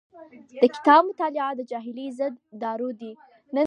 د کتاب مطالعه د جاهلۍ ضد دارو دی.